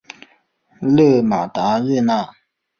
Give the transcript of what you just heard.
勒马达热奈。